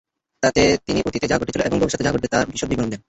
তাতে তিনি অতীতে যা ঘটেছিল এবং ভবিষ্যতে যা ঘটবে তার বিশদ বিবরণ দেন।